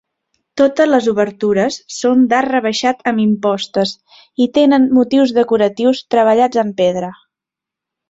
Totes les obertures són d'arc rebaixat amb impostes, i tenen motius decoratius treballats en pedra.